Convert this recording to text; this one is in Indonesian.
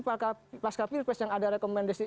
pasca pilpres yang ada rekomendasi